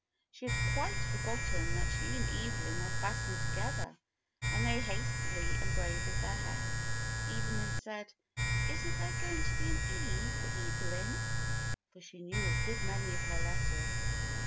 She had quite forgotten that she and Evelyn were fastened together, and they hastily unbraided their hair. Evelyn said, "Isn't there going to be an E for Evelyn?" for she knew a good many of her letters.